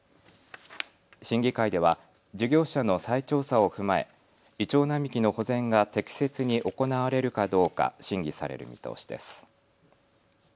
審議会では事業者の再調査を踏まえイチョウ並木の保全が適切に行われるかどうか審議される見通しです。